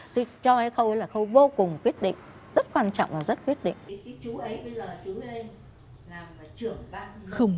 tôi cho cái khâu ấy là khâu vô cùng quyết định rất quan trọng và rất quyết định